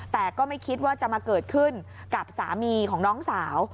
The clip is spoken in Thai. แต่ก็ไม่คิดว่าจะมาเกิดขึ้นกับสามีของน้องสาว